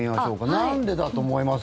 なんでだと思います？